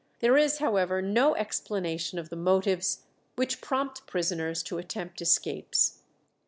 There is, however, no explanation of the motives which prompt prisoners to attempt escapes.